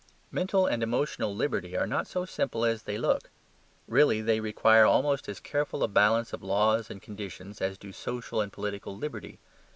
Mental and emotional liberty are not so simple as they look. Really they require almost as careful a balance of laws and conditions as do social and political liberty.